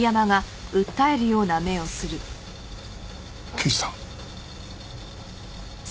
刑事さん。